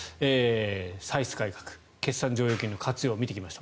歳出改革決算剰余金の活用を見てきました。